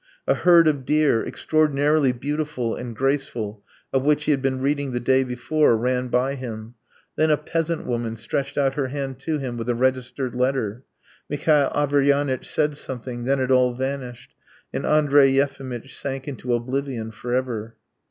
A herd of deer, extraordinarily beautiful and graceful, of which he had been reading the day before, ran by him; then a peasant woman stretched out her hand to him with a registered letter .... Mihail Averyanitch said something, then it all vanished, and Andrey Yefimitch sank into oblivion for ever.